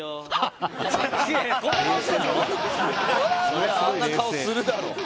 そりゃあんな顔するだろ！